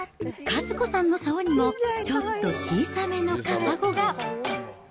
和子さんのさおにも、ちょっと小さめのカサゴが。